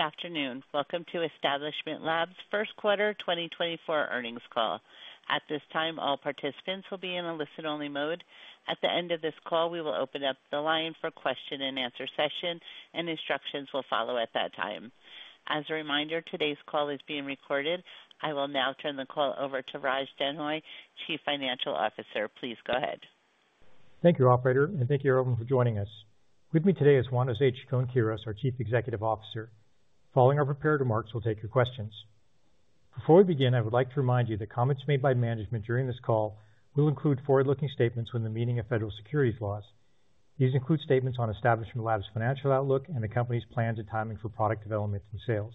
Good afternoon. Welcome to Establishment Labs' first quarter 2024 earnings call. At this time, all participants will be in a listen-only mode. At the end of this call, we will open up the line for question-and-answer session, and instructions will follow at that time. As a reminder, today's call is being recorded. I will now turn the call over to Raj Denhoy, Chief Financial Officer. Please go ahead. Thank you, Operator, and thank you, everyone, for joining us. With me today is Juan José Chacón-Quirós, our Chief Executive Officer. Following our prepared remarks, we'll take your questions. Before we begin, I would like to remind you that comments made by management during this call will include forward-looking statements within the meaning of federal securities laws. These include statements on Establishment Labs' financial outlook and the company's plans and timing for product development and sales.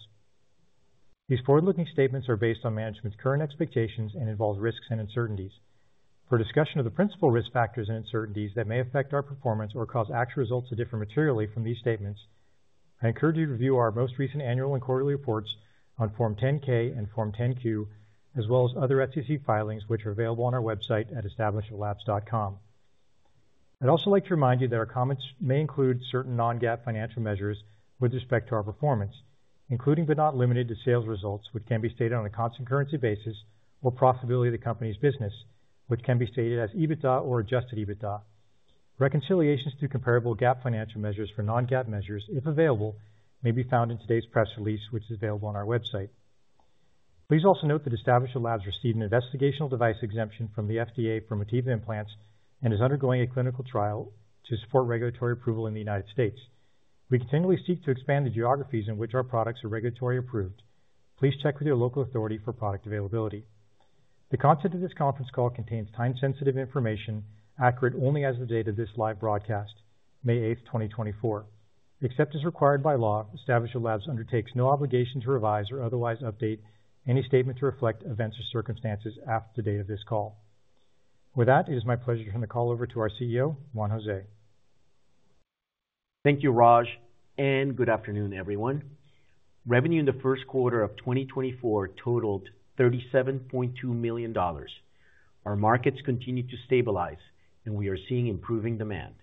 These forward-looking statements are based on management's current expectations and involve risks and uncertainties. For discussion of the principal risk factors and uncertainties that may affect our performance or cause actual results to differ materially from these statements, I encourage you to review our most recent annual and quarterly reports on Form 10-K and Form 10-Q, as well as other SEC filings which are available on our website at establishmentlabs.com. I'd also like to remind you that our comments may include certain non-GAAP financial measures with respect to our performance, including but not limited to sales results, which can be stated on a Constant Currency basis, or profitability of the company's business, which can be stated as EBITDA or Adjusted EBITDA. Reconciliations through comparable GAAP financial measures for non-GAAP measures, if available, may be found in today's press release, which is available on our website. Please also note that Establishment Labs received an Investigational Device Exemption from the FDA for Motiva Implants and is undergoing a clinical trial to support regulatory approval in the United States. We continually seek to expand the geographies in which our products are regulatory approved. Please check with your local authority for product availability. The content of this conference call contains time-sensitive information accurate only as of the date of this live broadcast, May 8th, 2024. Except as required by law, Establishment Labs undertakes no obligation to revise or otherwise update any statement to reflect events or circumstances after the date of this call. With that, it is my pleasure to turn the call over to our CEO, Juan José. Thank you, Raj, and good afternoon, everyone. Revenue in the first quarter of 2024 totaled $37.2 million. Our markets continue to stabilize, and we are seeing improving demand.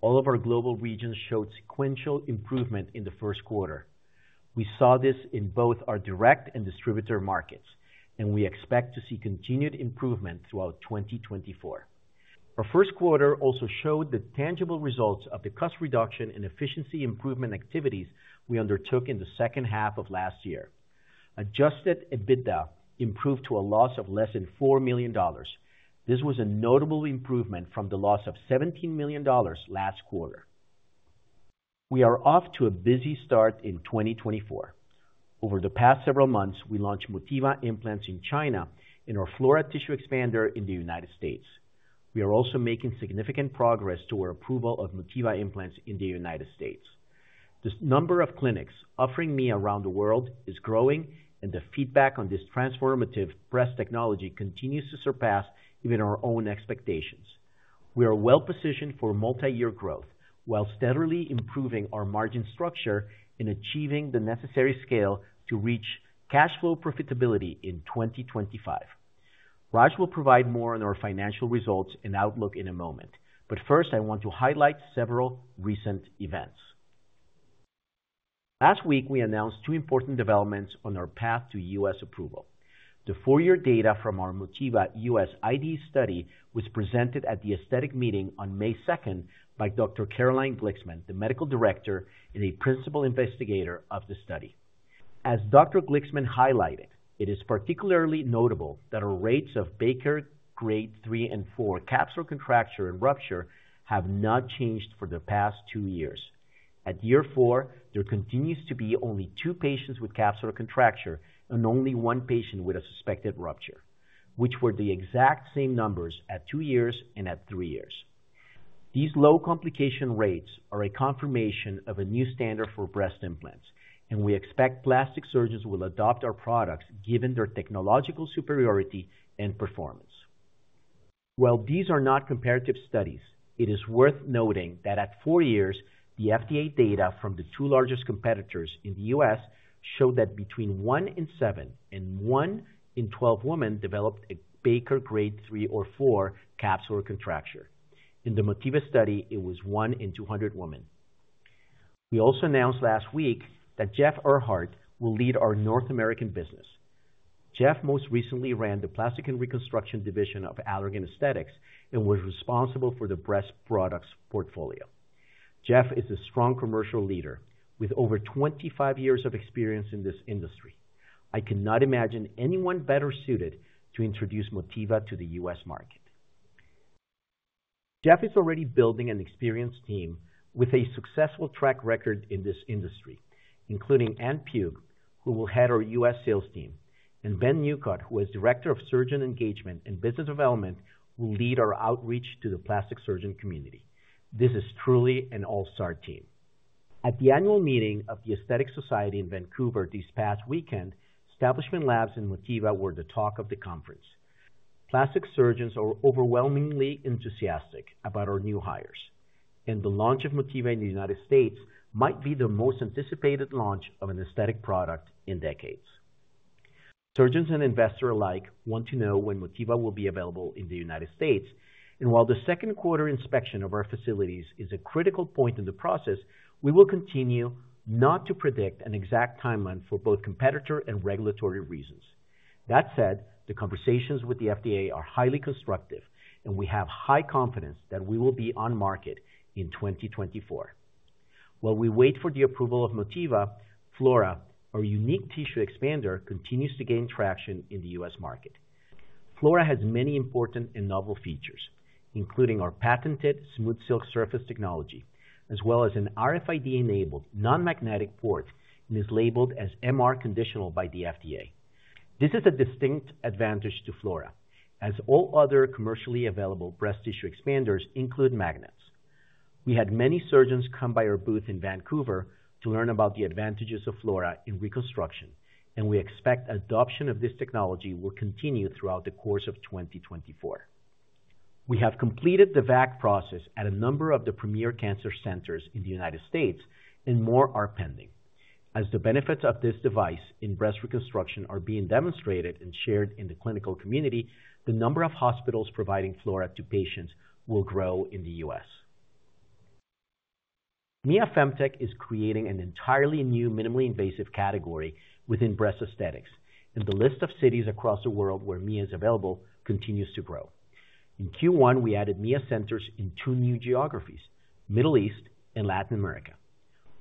All of our global regions showed sequential improvement in the first quarter. We saw this in both our direct and distributor markets, and we expect to see continued improvement throughout 2024. Our first quarter also showed the tangible results of the cost reduction and efficiency improvement activities we undertook in the second half of last year. Adjusted EBITDA improved to a loss of less than $4 million. This was a notable improvement from the loss of $17 million last quarter. We are off to a busy start in 2024. Over the past several months, we launched Motiva implants in China and our Flora tissue expander in the United States. We are also making significant progress toward approval of Motiva implants in the United States. The number of clinics offering Mia around the world is growing, and the feedback on this transformative breast technology continues to surpass even our own expectations. We are well-positioned for multi-year growth while steadily improving our margin structure and achieving the necessary scale to reach cash flow profitability in 2025. Raj will provide more on our financial results and outlook in a moment, but first, I want to highlight several recent events. Last week, we announced two important developments on our path to U.S. approval. The four-year data from our Motiva U.S. IDE study was presented at the aesthetic meeting on May 2nd by Dr. Caroline Glicksman, the medical director and a principal investigator of the study. As Dr. Glicksman highlighted, it is particularly notable that our rates of Baker grade 3 and 4 capsular contracture and rupture have not changed for the past 2 years. At year 4, there continues to be only 2 patients with capsular contracture and only 1 patient with a suspected rupture, which were the exact same numbers at 2 years and at 3 years. These low complication rates are a confirmation of a new standard for breast implants, and we expect plastic surgeons will adopt our products given their technological superiority and performance. While these are not comparative studies, it is worth noting that at 4 years, the FDA data from the two largest competitors in the U.S. showed that between 1 in 7 and 1 in 12 women developed a Baker grade 3 or 4 capsular contracture. In the Motiva study, it was 1 in 200 women. We also announced last week that Jeff Earhart will lead our North American business. Jeff most recently ran the plastic and reconstruction division of Allergan Aesthetics and was responsible for the breast products portfolio. Jeff is a strong commercial leader with over 25 years of experience in this industry. I cannot imagine anyone better suited to introduce Motiva to the U.S. market. Jeff is already building an experienced team with a successful track record in this industry, including Anne Pugh, who will head our U.S. sales team, and Ben Newcott, who as director of surgeon engagement and business development will lead our outreach to the plastic surgeon community. This is truly an all-star team. At the annual meeting of the Aesthetic Society in Vancouver this past weekend, Establishment Labs and Motiva were the talk of the conference. Plastic surgeons are overwhelmingly enthusiastic about our new hires, and the launch of Motiva in the United States might be the most anticipated launch of an aesthetic product in decades. Surgeons and investors alike want to know when Motiva will be available in the United States. While the second quarter inspection of our facilities is a critical point in the process, we will continue not to predict an exact timeline for both competitor and regulatory reasons. That said, the conversations with the FDA are highly constructive, and we have high confidence that we will be on market in 2024. While we wait for the approval of Motiva, Flora, our unique tissue expander, continues to gain traction in the U.S. market. Flora has many important and novel features, including our patented SmoothSilk surface technology, as well as an RFID-enabled non-magnetic port and is labeled as MR Conditional by the FDA. This is a distinct advantage to Flora, as all other commercially available breast tissue expanders include magnets. We had many surgeons come by our booth in Vancouver to learn about the advantages of Flora in reconstruction, and we expect adoption of this technology will continue throughout the course of 2024. We have completed the VAC process at a number of the premier cancer centers in the United States, and more are pending. As the benefits of this device in breast reconstruction are being demonstrated and shared in the clinical community, the number of hospitals providing Flora to patients will grow in the U.S. Mia Femtech is creating an entirely new minimally invasive category within breast aesthetics, and the list of cities across the world where Mia is available continues to grow. In Q1, we added Mia centers in two new geographies: Middle East and Latin America.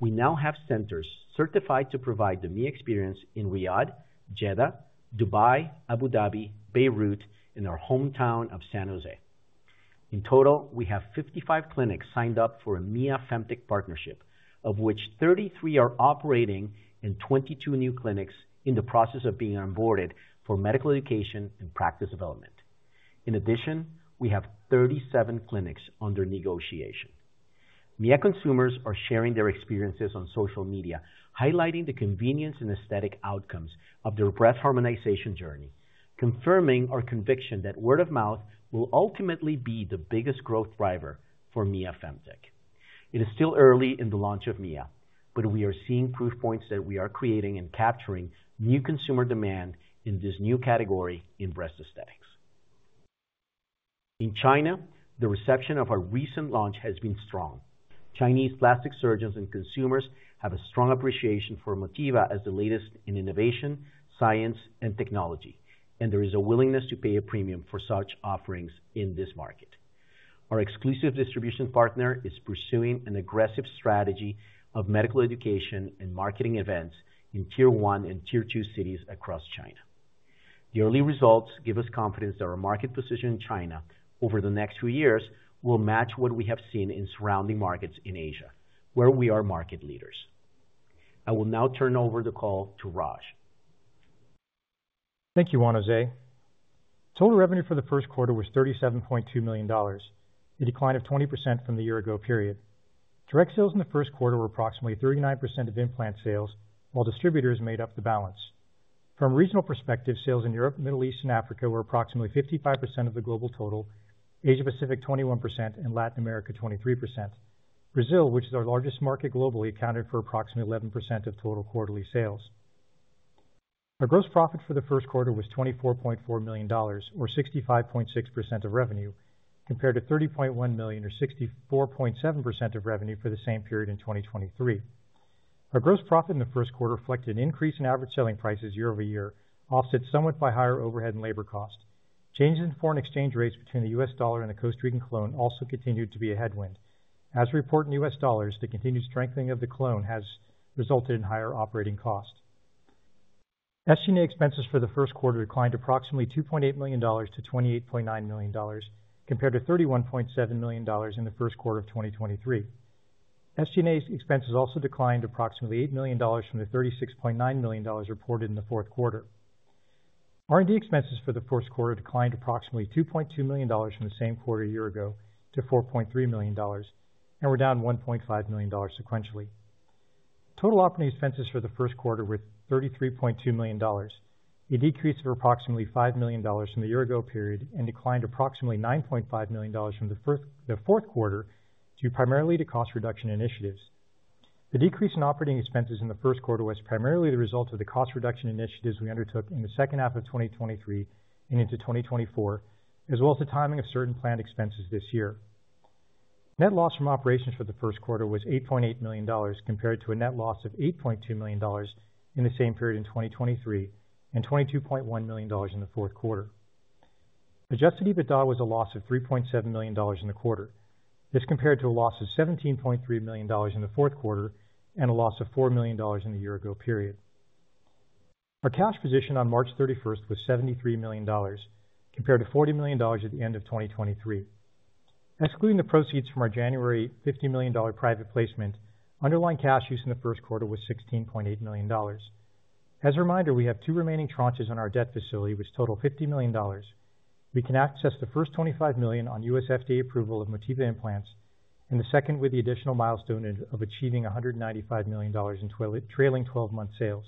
We now have centers certified to provide the Mia experience in Riyadh, Jeddah, Dubai, Abu Dhabi, Beirut, and our hometown of San José. In total, we have 55 clinics signed up for a Mia Femtech partnership, of which 33 are operating and 22 new clinics in the process of being onboarded for medical education and practice development. In addition, we have 37 clinics under negotiation. Mia consumers are sharing their experiences on social media, highlighting the convenience and aesthetic outcomes of their breast harmonization journey, confirming our conviction that word of mouth will ultimately be the biggest growth driver for Mia Femtech. It is still early in the launch of Mia, but we are seeing proof points that we are creating and capturing new consumer demand in this new category in breast aesthetics. In China, the reception of our recent launch has been strong. Chinese plastic surgeons and consumers have a strong appreciation for Motiva as the latest in innovation, science, and technology, and there is a willingness to pay a premium for such offerings in this market. Our exclusive distribution partner is pursuing an aggressive strategy of medical education and marketing events in Tier One and Tier Two cities across China. The early results give us confidence that our market position in China over the next few years will match what we have seen in surrounding markets in Asia, where we are market leaders. I will now turn over the call to Raj. Thank you, Juan José. Total revenue for the first quarter was $37.2 million, a decline of 20% from the year-ago period. Direct sales in the first quarter were approximately 39% of implant sales, while distributors made up the balance. From a regional perspective, sales in Europe, Middle East, and Africa were approximately 55% of the global total, Asia-Pacific 21%, and Latin America 23%. Brazil, which is our largest market globally, accounted for approximately 11% of total quarterly sales. Our gross profit for the first quarter was $24.4 million, or 65.6% of revenue, compared to $30.1 million or 64.7% of revenue for the same period in 2023. Our gross profit in the first quarter reflected an increase in average selling prices year over year, offset somewhat by higher overhead and labor costs. Changes in foreign exchange rates between the U.S. dollar and the Costa Rican colón also continued to be a headwind. As reported in U.S. dollars, the continued strengthening of the colón has resulted in higher operating costs. SG&A expenses for the first quarter declined approximately $2.8 million to $28.9 million, compared to $31.7 million in the first quarter of 2023. SG&A expenses also declined approximately $8 million from the $36.9 million reported in the fourth quarter. R&D expenses for the first quarter declined approximately $2.2 million from the same quarter a year ago to $4.3 million, and were down $1.5 million sequentially. Total operating expenses for the first quarter were $33.2 million, a decrease of approximately $5 million from the year-ago period, and declined approximately $9.5 million from the fourth quarter primarily to cost reduction initiatives. The decrease in operating expenses in the first quarter was primarily the result of the cost reduction initiatives we undertook in the second half of 2023 and into 2024, as well as the timing of certain planned expenses this year. Net loss from operations for the first quarter was $8.8 million, compared to a net loss of $8.2 million in the same period in 2023 and $22.1 million in the fourth quarter. Adjusted EBITDA was a loss of $3.7 million in the quarter. This compared to a loss of $17.3 million in the fourth quarter and a loss of $4 million in the year-ago period. Our cash position on March 31st was $73 million, compared to $40 million at the end of 2023. Excluding the proceeds from our January $50 million private placement, underlying cash use in the first quarter was $16.8 million. As a reminder, we have two remaining tranches on our debt facility, which total $50 million. We can access the first $25 million on U.S. FDA approval of Motiva implants and the second with the additional milestone of achieving $195 million in trailing 12-month sales.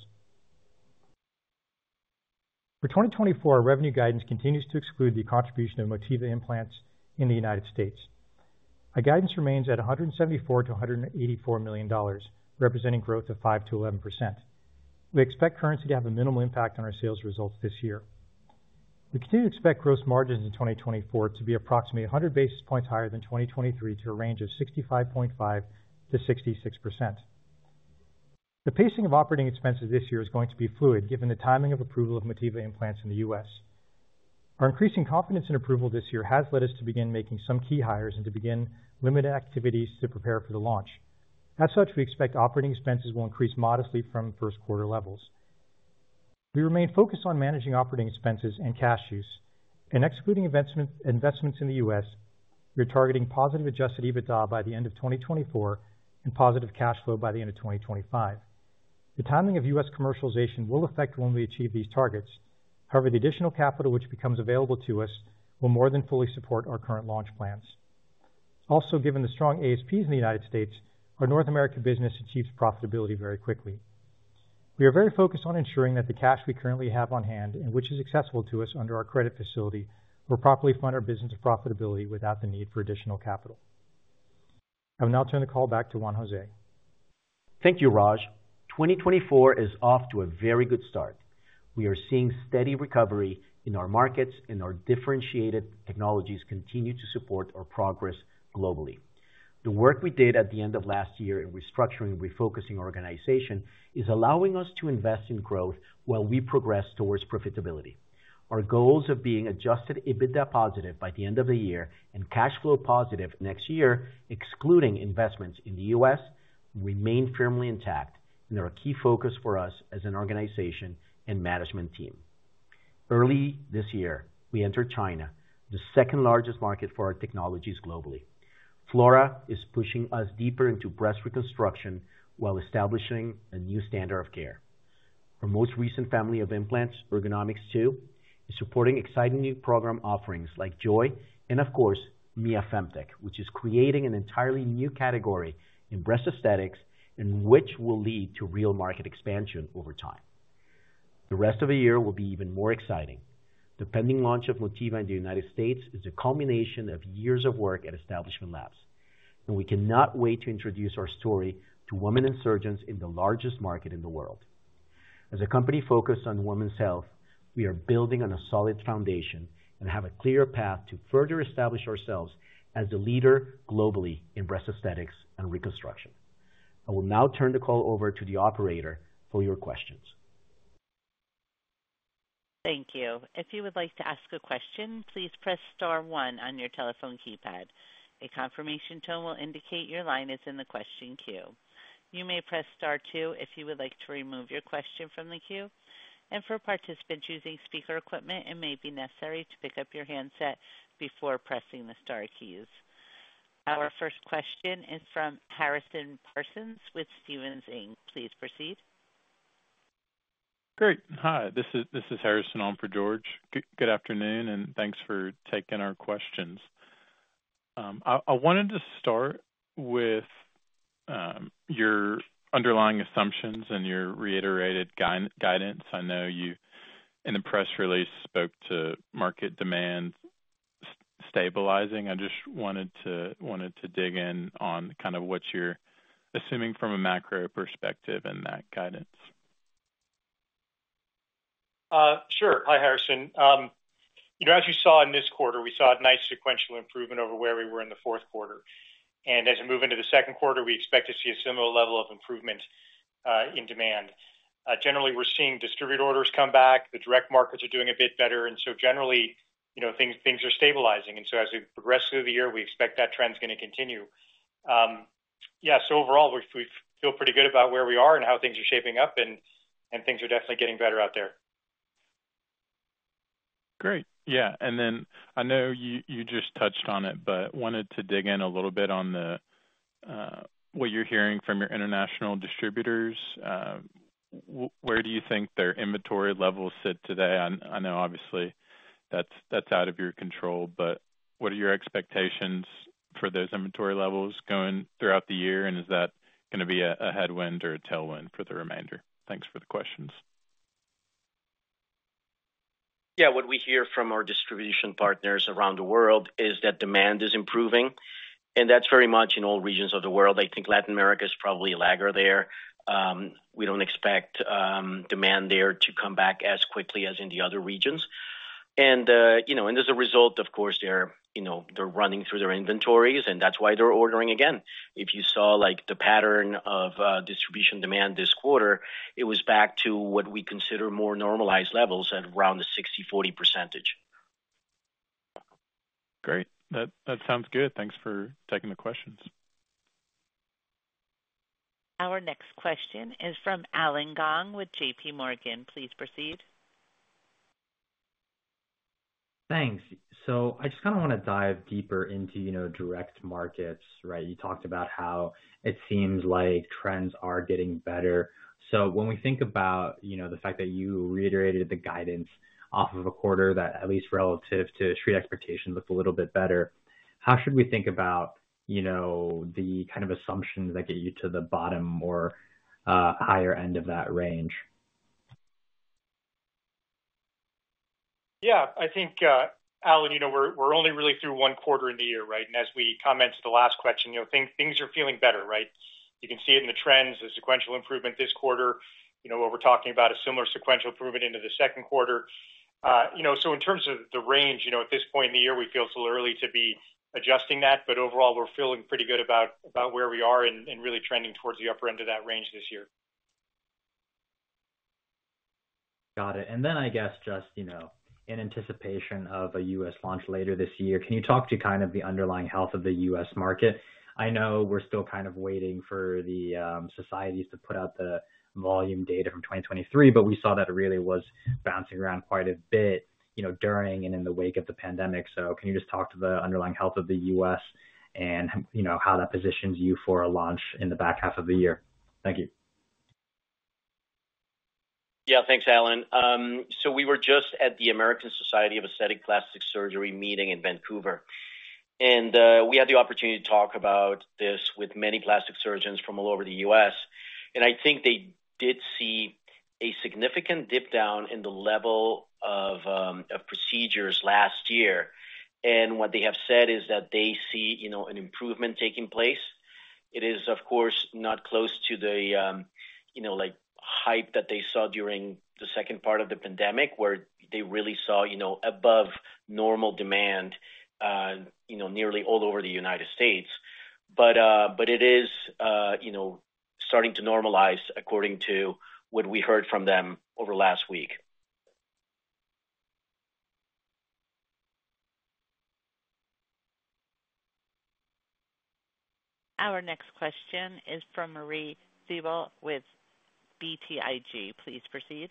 For 2024, our revenue guidance continues to exclude the contribution of Motiva implants in the United States. Our guidance remains at $174-$184 million, representing growth of 5%-11%. We expect currency to have a minimal impact on our sales results this year. We continue to expect gross margins in 2024 to be approximately 100 basis points higher than 2023 to a range of 65.5%-66%. The pacing of operating expenses this year is going to be fluid, given the timing of approval of Motiva implants in the U.S. Our increasing confidence in approval this year has led us to begin making some key hires and to begin limited activities to prepare for the launch. As such, we expect operating expenses will increase modestly from first quarter levels. We remain focused on managing operating expenses and cash use. Excluding investments in the U.S., we are targeting positive Adjusted EBITDA by the end of 2024 and positive cash flow by the end of 2025. The timing of U.S. commercialization will affect when we achieve these targets. However, the additional capital which becomes available to us will more than fully support our current launch plans. Also, given the strong ASPs in the United States, our North American business achieves profitability very quickly. We are very focused on ensuring that the cash we currently have on hand and which is accessible to us under our credit facility will properly fund our business of profitability without the need for additional capital. I will now turn the call back to Juan José. Thank you, Raj. 2024 is off to a very good start. We are seeing steady recovery in our markets, and our differentiated technologies continue to support our progress globally. The work we did at the end of last year in restructuring and refocusing our organization is allowing us to invest in growth while we progress towards profitability. Our goals of being Adjusted EBITDA positive by the end of the year and cash flow positive next year, excluding investments in the U.S., remain firmly intact and are a key focus for us as an organization and management team. Early this year, we entered China, the second largest market for our technologies globally. Flora is pushing us deeper into breast reconstruction while establishing a new standard of care. Our most recent family of implants, Ergonomix2, is supporting exciting new program offerings like Joy and, of course, Mia Femtech, which is creating an entirely new category in breast aesthetics and which will lead to real market expansion over time. The rest of the year will be even more exciting. The pending launch of Motiva in the United States is a culmination of years of work at Establishment Labs, and we cannot wait to introduce our story to women and surgeons in the largest market in the world. As a company focused on women's health, we are building on a solid foundation and have a clear path to further establish ourselves as a leader globally in breast aesthetics and reconstruction. I will now turn the call over to the operator for your questions. Thank you. If you would like to ask a question, please press star one on your telephone keypad. A confirmation tone will indicate your line is in the question queue. You may press star two if you would like to remove your question from the queue. For participants using speaker equipment, it may be necessary to pick up your handset before pressing the star keys. Our first question is from Harrison Parsons with Stephens Inc. Please proceed. Great. Hi, this is Harrison. I'm for George. Good afternoon, and thanks for taking our questions. I wanted to start with your underlying assumptions and your reiterated guidance. I know you, in the press release, spoke to market demand stabilizing. I just wanted to dig in on kind of what you're assuming from a macro perspective in that guidance. Sure. Hi, Harrison. As you saw in this quarter, we saw a nice sequential improvement over where we were in the fourth quarter. And as we move into the second quarter, we expect to see a similar level of improvement in demand. Generally, we're seeing distributed orders come back. The direct markets are doing a bit better, and so generally, things are stabilizing. And so as we progress through the year, we expect that trend is going to continue. Yeah, so overall, we feel pretty good about where we are and how things are shaping up, and things are definitely getting better out there. Great. Yeah. And then I know you just touched on it, but wanted to dig in a little bit on what you're hearing from your international distributors. Where do you think their inventory levels sit today? I know, obviously, that's out of your control, but what are your expectations for those inventory levels going throughout the year? And is that going to be a headwind or a tailwind for the remainder? Thanks for the questions. Yeah. What we hear from our distribution partners around the world is that demand is improving, and that's very much in all regions of the world. I think Latin America is probably a lagger there. We don't expect demand there to come back as quickly as in the other regions. And as a result, of course, they're running through their inventories, and that's why they're ordering again. If you saw the pattern of distribution demand this quarter, it was back to what we consider more normalized levels at around the 60%-40%. Great. That sounds good. Thanks for taking the questions. Our next question is from Allen Gong with JPMorgan. Please proceed. Thanks. So I just kind of want to dive deeper into direct markets, right? You talked about how it seems like trends are getting better. So when we think about the fact that you reiterated the guidance off of a quarter that, at least relative to street expectations, looked a little bit better, how should we think about the kind of assumptions that get you to the bottom or higher end of that range? Yeah. I think, Allen, we're only really through one quarter in the year, right? And as we commented the last question, things are feeling better, right? You can see it in the trends, the sequential improvement this quarter. What we're talking about is similar sequential improvement into the second quarter. So in terms of the range, at this point in the year, we feel still early to be adjusting that, but overall, we're feeling pretty good about where we are and really trending towards the upper end of that range this year. Got it. And then I guess just in anticipation of a U.S. launch later this year, can you talk to kind of the underlying health of the U.S. market? I know we're still kind of waiting for the societies to put out the volume data from 2023, but we saw that it really was bouncing around quite a bit during and in the wake of the pandemic. So can you just talk to the underlying health of the U.S. and how that positions you for a launch in the back half of the year? Thank you. Yeah. Thanks, Allen. So we were just at the American Society of Aesthetic Plastic Surgery meeting in Vancouver. And we had the opportunity to talk about this with many plastic surgeons from all over the U.S. And I think they did see a significant dip down in the level of procedures last year. And what they have said is that they see an improvement taking place. It is, of course, not close to the hype that they saw during the second part of the pandemic, where they really saw above-normal demand nearly all over the United States. But it is starting to normalize according to what we heard from them over last week. Our next question is from Marie Thibault with BTIG. Please proceed.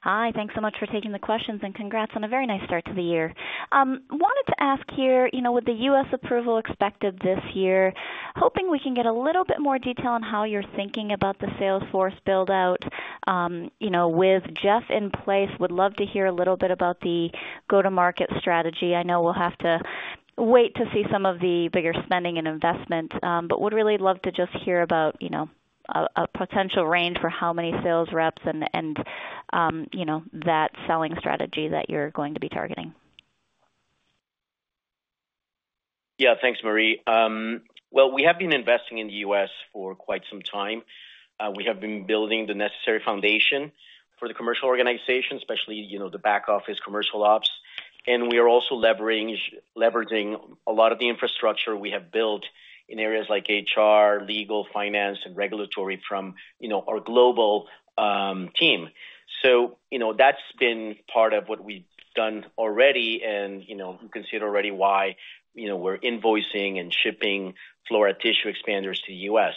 Hi. Thanks so much for taking the questions, and congrats on a very nice start to the year. Wanted to ask here, with the U.S. approval expected this year, hoping we can get a little bit more detail on how you're thinking about the sales force buildout. With Jeff in place, would love to hear a little bit about the go-to-market strategy. I know we'll have to wait to see some of the bigger spending and investment, but would really love to just hear about a potential range for how many sales reps and that selling strategy that you're going to be targeting. Yeah. Thanks, Marie. Well, we have been investing in the U.S. for quite some time. We have been building the necessary foundation for the commercial organization, especially the back office, commercial ops. And we are also leveraging a lot of the infrastructure we have built in areas like HR, legal, finance, and regulatory from our global team. So that's been part of what we've done already, and you can see it already why we're invoicing and shipping Flora Tissue Expanders to the U.S.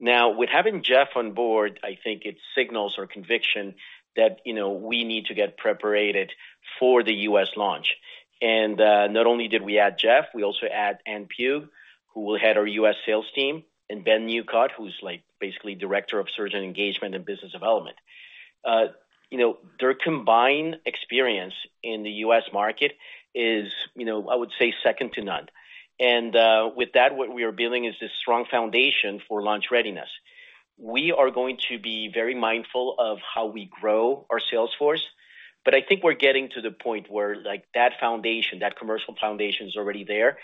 Now, with having Jeff on board, I think it signals our conviction that we need to get prepared for the U.S. launch. And not only did we add Jeff, we also add Ann Pugh, who will head our U.S. sales team, and Ben Newcott, who's basically director of surgeon engagement and business development. Their combined experience in the U.S. market is, I would say, second to none. With that, what we are building is this strong foundation for launch readiness. We are going to be very mindful of how we grow our sales force, but I think we're getting to the point where that foundation, that commercial foundation, is already there.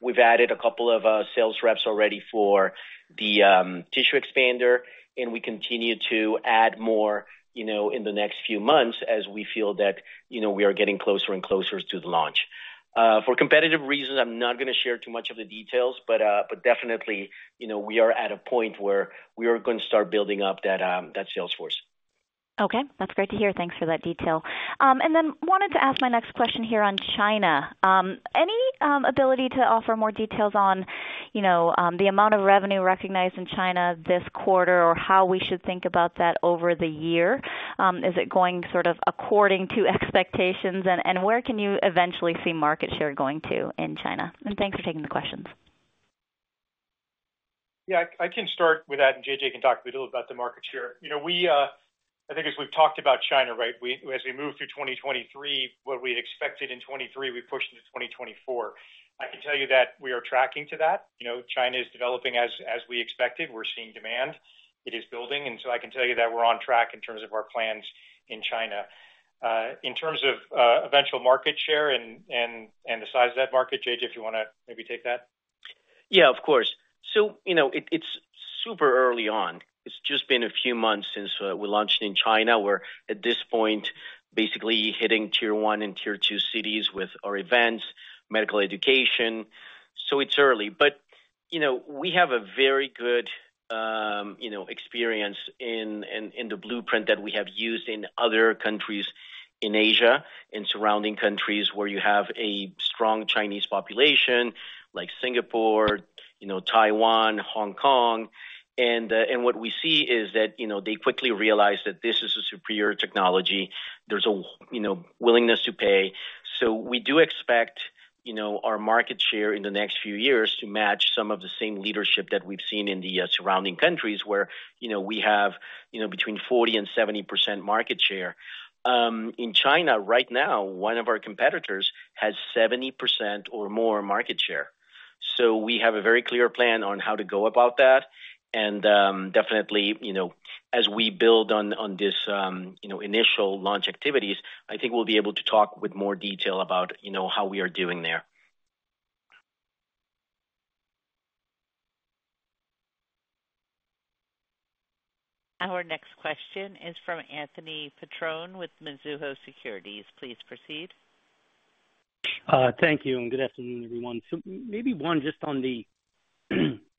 We've added a couple of sales reps already for the tissue expander, and we continue to add more in the next few months as we feel that we are getting closer and closer to the launch. For competitive reasons, I'm not going to share too much of the details, but definitely, we are at a point where we are going to start building up that sales force. Okay. That's great to hear. Thanks for that detail. And then wanted to ask my next question here on China. Any ability to offer more details on the amount of revenue recognized in China this quarter or how we should think about that over the year? Is it going sort of according to expectations, and where can you eventually see market share going to in China? And thanks for taking the questions. Yeah. I can start with that, and JJ can talk a little bit about the market share. I think as we've talked about China, right, as we move through 2023, what we expected in 2023, we pushed into 2024. I can tell you that we are tracking to that. China is developing as we expected. We're seeing demand. It is building. And so I can tell you that we're on track in terms of our plans in China. In terms of eventual market share and the size of that market, JJ, if you want to maybe take that. Yeah, of course. So it's super early on. It's just been a few months since we launched in China. We're at this point basically hitting tier one and tier two cities with our events, medical education. So it's early. But we have a very good experience in the blueprint that we have used in other countries in Asia and surrounding countries where you have a strong Chinese population like Singapore, Taiwan, Hong Kong. And what we see is that they quickly realize that this is a superior technology. There's a willingness to pay. So we do expect our market share in the next few years to match some of the same leadership that we've seen in the surrounding countries where we have between 40% and 70% market share. In China right now, one of our competitors has 70% or more market share. We have a very clear plan on how to go about that. Definitely, as we build on these initial launch activities, I think we'll be able to talk with more detail about how we are doing there. Our next question is from Anthony Petrone with Mizuho Securities. Please proceed. Thank you. Good afternoon, everyone. Maybe one just on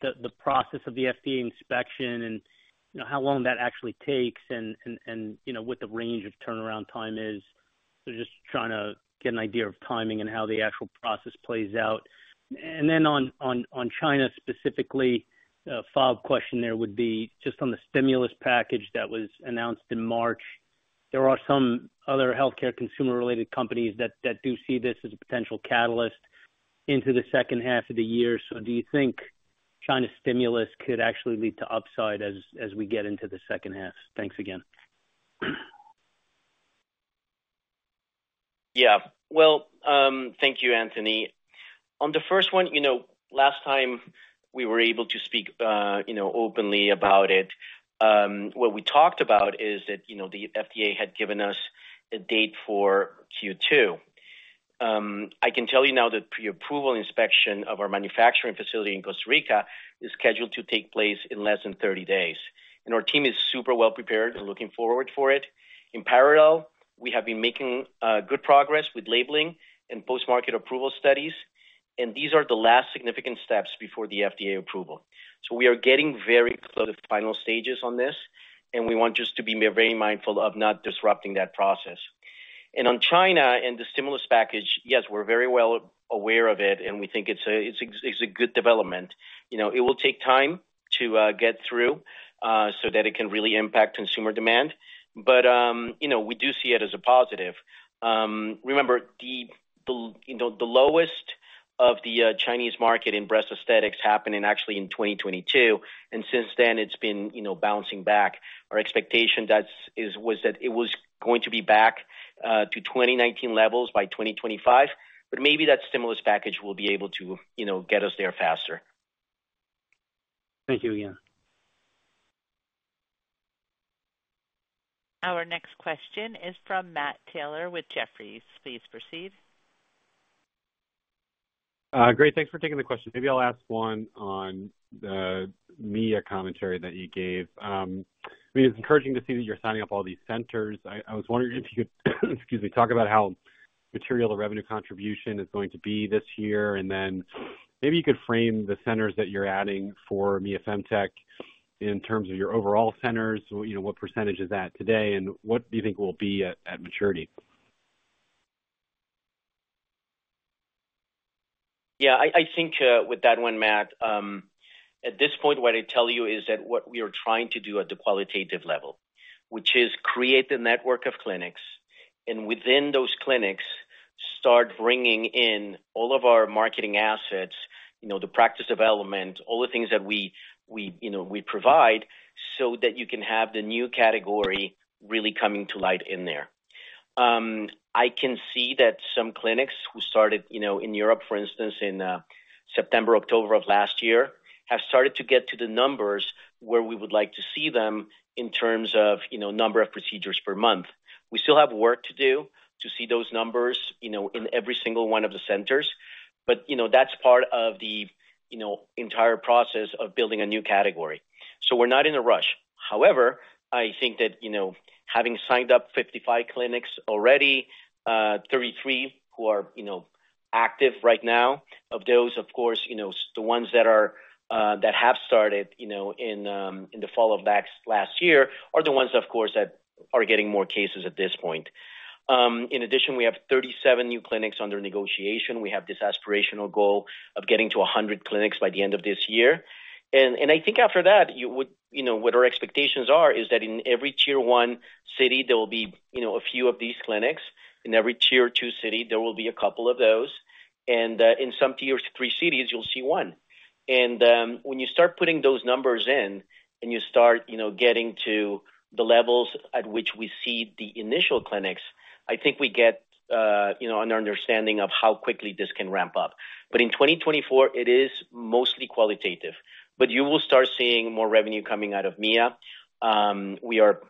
the process of the FDA inspection and how long that actually takes and what the range of turnaround time is. Just trying to get an idea of timing and how the actual process plays out. Then on China specifically, follow-up question there would be just on the stimulus package that was announced in March. There are some other healthcare consumer-related companies that do see this as a potential catalyst into the second half of the year. Do you think China's stimulus could actually lead to upside as we get into the second half? Thanks again. Yeah. Well, thank you, Anthony. On the first one, last time we were able to speak openly about it, what we talked about is that the FDA had given us a date for Q2. I can tell you now that pre-approval inspection of our manufacturing facility in Costa Rica is scheduled to take place in less than 30 days. Our team is super well prepared and looking forward to it. In parallel, we have been making good progress with labeling and post-market approval studies. These are the last significant steps before the FDA approval. So we are getting very close to the final stages on this, and we want just to be very mindful of not disrupting that process. On China and the stimulus package, yes, we're very well aware of it, and we think it's a good development. It will take time to get through so that it can really impact consumer demand. But we do see it as a positive. Remember, the lowest of the Chinese market in breast aesthetics happened actually in 2022, and since then, it's been bouncing back. Our expectation was that it was going to be back to 2019 levels by 2025, but maybe that stimulus package will be able to get us there faster. Thank you again. Our next question is from Matt Taylor with Jefferies. Please proceed. Great. Thanks for taking the question. Maybe I'll ask one on the Mia commentary that you gave. I mean, it's encouraging to see that you're signing up all these centers. I was wondering if you could, excuse me, talk about how material the revenue contribution is going to be this year, and then maybe you could frame the centers that you're adding for Mia Femtech in terms of your overall centers. What percentage is that today, and what do you think will be at maturity? Yeah. I think with that one, Matt, at this point, what I tell you is that what we are trying to do at the qualitative level, which is create the network of clinics, and within those clinics, start bringing in all of our marketing assets, the practice development, all the things that we provide so that you can have the new category really coming to light in there. I can see that some clinics who started in Europe, for instance, in September, October of last year, have started to get to the numbers where we would like to see them in terms of number of procedures per month. We still have work to do to see those numbers in every single one of the centers, but that's part of the entire process of building a new category. So we're not in a rush. However, I think that having signed up 55 clinics already, 33 who are active right now, of those, of course, the ones that have started in the fall of last year are the ones, of course, that are getting more cases at this point. In addition, we have 37 new clinics under negotiation. We have this aspirational goal of getting to 100 clinics by the end of this year. And I think after that, what our expectations are is that in every Tier 1 city, there will be a few of these clinics. In every Tier 2 city, there will be a couple of those. And in some Tier 3 cities, you'll see one. And when you start putting those numbers in and you start getting to the levels at which we see the initial clinics, I think we get an understanding of how quickly this can ramp up. But in 2024, it is mostly qualitative. But you will start seeing more revenue coming out of MIA. We are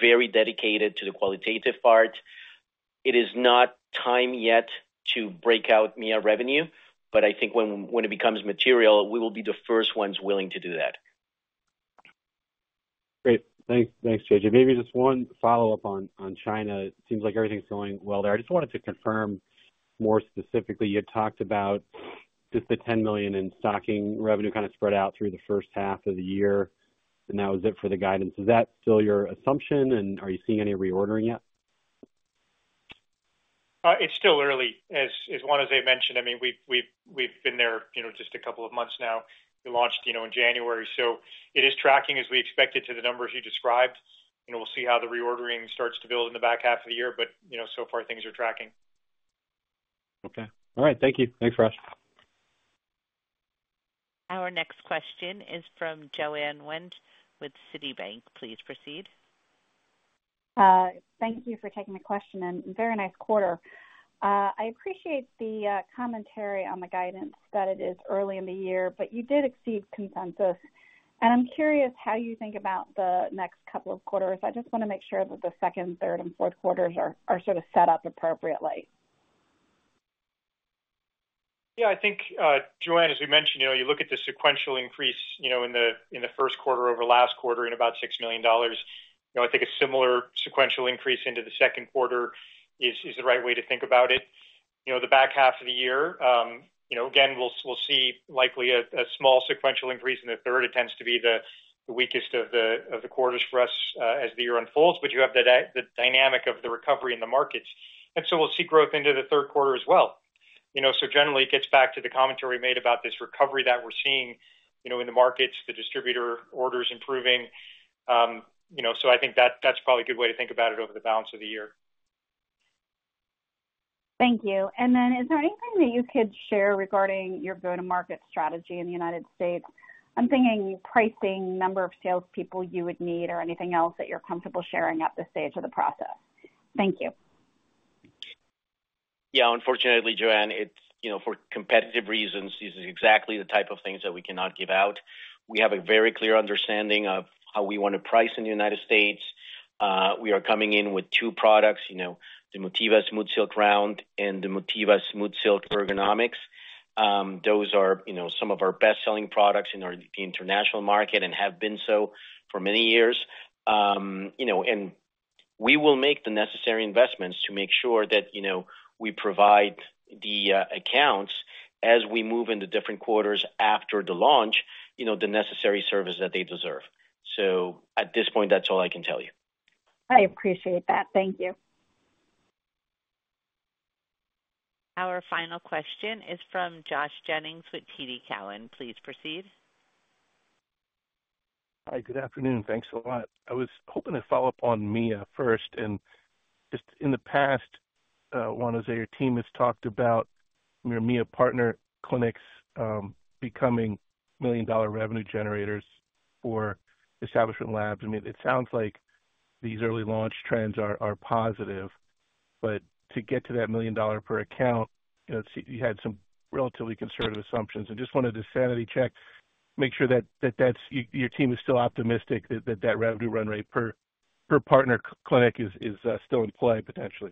very dedicated to the qualitative part. It is not time yet to break out MIA revenue, but I think when it becomes material, we will be the first ones willing to do that. Great. Thanks, JJ. Maybe just one follow-up on China. It seems like everything's going well there. I just wanted to confirm more specifically. You had talked about just the $10 million in stocking revenue kind of spread out through the first half of the year, and that was it for the guidance. Is that still your assumption, and are you seeing any reordering yet? It's still early, as Juan José mentioned. I mean, we've been there just a couple of months now. We launched in January. So it is tracking as we expected to the numbers you described. We'll see how the reordering starts to build in the back half of the year, but so far, things are tracking. Okay. All right. Thank you. Thanks, Rush. Our next question is from Joanne Wuensch with Citibank. Please proceed. Thank you for taking the question, and very nice quarter. I appreciate the commentary on the guidance that it is early in the year, but you did exceed consensus. I'm curious how you think about the next couple of quarters. I just want to make sure that the second, third, and fourth quarters are sort of set up appropriately. Yeah. I think, Joanne, as we mentioned, you look at the sequential increase in the first quarter over last quarter in about $6 million. I think a similar sequential increase into the second quarter is the right way to think about it. The back half of the year, again, we'll see likely a small sequential increase in the third. It tends to be the weakest of the quarters for us as the year unfolds, but you have the dynamic of the recovery in the markets. And so we'll see growth into the third quarter as well. So generally, it gets back to the commentary made about this recovery that we're seeing in the markets, the distributor orders improving. So I think that's probably a good way to think about it over the balance of the year. Thank you. Then is there anything that you could share regarding your go-to-market strategy in the United States? I'm thinking pricing, number of salespeople you would need, or anything else that you're comfortable sharing at this stage of the process. Thank you. Yeah. Unfortunately, Joanne, for competitive reasons, this is exactly the type of things that we cannot give out. We have a very clear understanding of how we want to price in the United States. We are coming in with two products, the Motiva SmoothSilk Round and the Motiva SmoothSilk Ergonomix. Those are some of our best-selling products in the international market and have been so for many years. And we will make the necessary investments to make sure that we provide the accounts as we move into different quarters after the launch, the necessary service that they deserve. So at this point, that's all I can tell you. I appreciate that. Thank you. Our final question is from Josh Jennings with TD Cowen. Please proceed. Hi. Good afternoon. Thanks a lot. I was hoping to follow up on MIA first. Just in the past, Juan José, your team has talked about your MIA partner clinics becoming $1 million revenue generators for Establishment Labs. I mean, it sounds like these early-launch trends are positive, but to get to that $1 million per account, you had some relatively conservative assumptions. Just wanted to sanity-check, make sure that your team is still optimistic that that revenue run rate per partner clinic is still in play, potentially.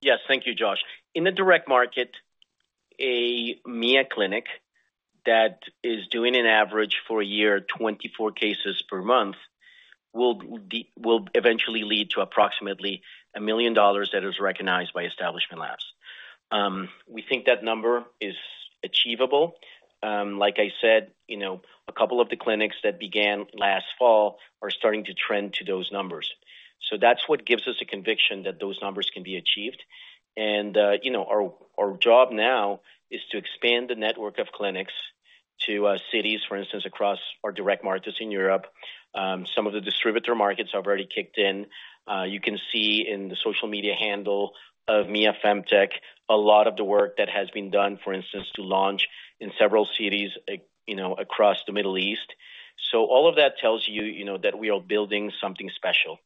Yes. Thank you, Josh. In the direct market, a Mia Femtech clinic that is doing, on average, for a year, 24 cases per month will eventually lead to approximately $1 million that is recognized by Establishment Labs. We think that number is achievable. Like I said, a couple of the clinics that began last fall are starting to trend to those numbers. So that's what gives us a conviction that those numbers can be achieved. And our job now is to expand the network of clinics to cities, for instance, across our direct markets in Europe. Some of the distributor markets have already kicked in. You can see in the social media handle of Mia Femtech a lot of the work that has been done, for instance, to launch in several cities across the Middle East. So all of that tells you that we are building something special.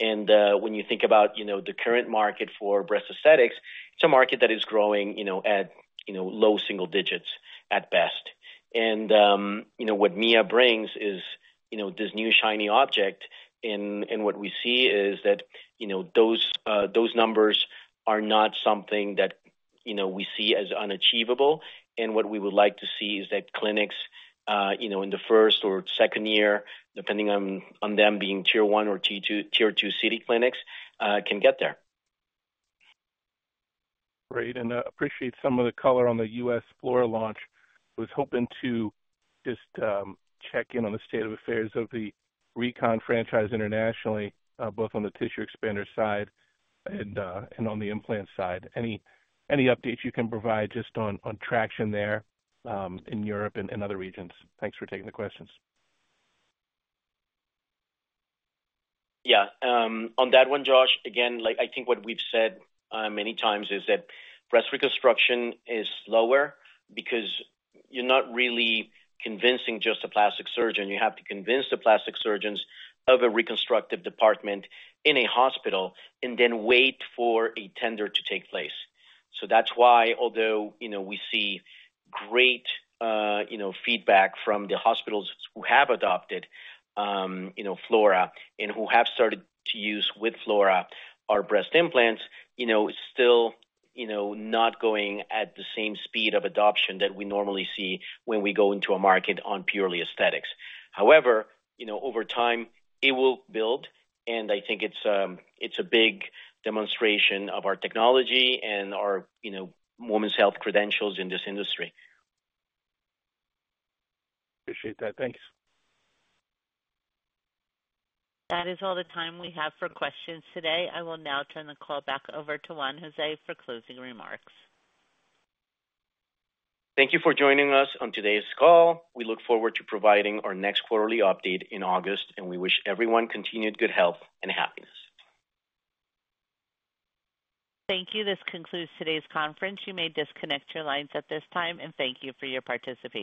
When you think about the current market for breast aesthetics, it's a market that is growing at low single digits at best. What Mia brings is this new shiny object. What we see is that those numbers are not something that we see as unachievable. What we would like to see is that clinics in the first or second year, depending on them being tier one or tier two city clinics, can get there. Great. And I appreciate some of the color on the U.S. Flora launch. I was hoping to just check in on the state of affairs of the Recon franchise internationally, both on the tissue expander side and on the implant side. Any updates you can provide just on traction there in Europe and other regions. Thanks for taking the questions. Yeah. On that one, Josh, again, I think what we've said many times is that breast reconstruction is slower because you're not really convincing just a plastic surgeon. You have to convince the plastic surgeons of a reconstructive department in a hospital and then wait for a tender to take place. So that's why, although we see great feedback from the hospitals who have adopted Flora and who have started to use with Flora our breast implants, it's still not going at the same speed of adoption that we normally see when we go into a market on purely aesthetics. However, over time, it will build, and I think it's a big demonstration of our technology and our women's health credentials in this industry. Appreciate that. Thanks. That is all the time we have for questions today. I will now turn the call back over to Juan José for closing remarks. Thank you for joining us on today's call. We look forward to providing our next quarterly update in August, and we wish everyone continued good health and happiness. Thank you. This concludes today's conference. You may disconnect your lines at this time, and thank you for your participation.